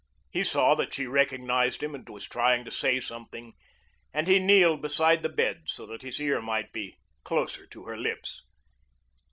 He saw that she recognized him and was trying to say something, and he kneeled beside the bed so that his ear might be closer to her lips.